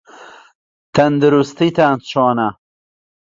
تەندروستیتان چۆنە؟